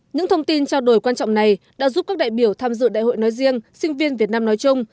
những thông tin trao đổi quan trọng này đã giúp các đại biểu tham dự đại hội nói riêng sinh viên việt nam nói chung